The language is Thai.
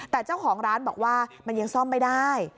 แต่เจ้าของร้านบอกว่ามันยังซ่อมไม่ได้